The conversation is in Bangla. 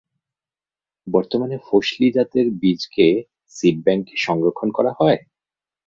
বর্তমানে ফসলী জাতির বীজকে সিড ব্যাংকে সংরক্ষণ করা হয়?